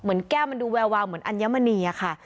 เหมือนแก้วมันดูแววเหมือนอัญมณีค่ะ